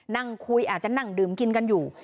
นั่งคุยอาจจะนั่งดื่มกินกันอยู่